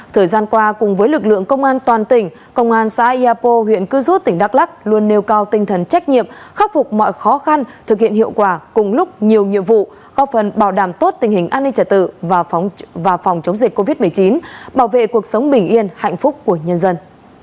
thời gian qua cùng với lực lượng công an toàn tỉnh công an xã yapo huyện cư rút tỉnh đắk lắc luôn nêu cao tinh thần trách nhiệm khắc phục mọi khó khăn thực hiện hiệu quả cùng lúc nhiều nhiệm vụ góp phần bảo đảm tốt tình hình an ninh trả tự và phòng chống dịch covid một mươi chín bảo vệ cuộc sống bình yên hạnh phúc của nhân dân